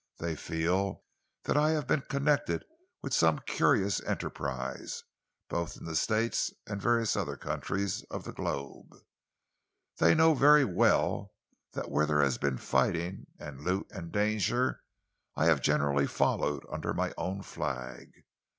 They feel that I have been connected with some curious enterprises, both in the States and various other countries of the globe. They know very well that where there has been fighting and loot and danger, I have generally followed under my own flag.